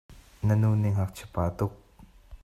Na nu nih ngakchia pa a tuk.